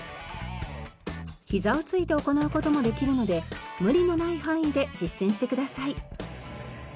ひざをついて行う事もできるので無理のない範囲で実践してください。